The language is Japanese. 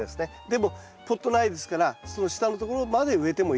でもポット苗ですからその下のところまで植えても結構です。